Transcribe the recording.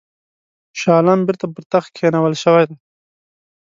شاه عالم بیرته پر تخت کښېنول شوی دی.